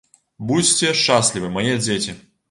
Будзьце шчаслівы, мае дзеці.